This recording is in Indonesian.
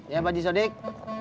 ya pak jisodik